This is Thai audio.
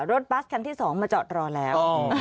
รถบัสคันที่๒มาจอดรอแล้ว